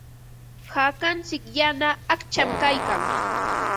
Hakantsik yana aqcham kaykan.